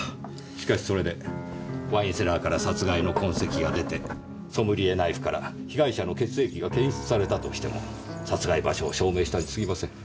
しかしそれでワインセラーから殺害の痕跡が出てソムリエナイフから被害者の血液が検出されたとしても殺害場所を証明したに過ぎません。